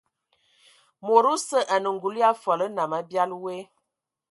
Mod osə anə ngul ya fol nnam abiali woe.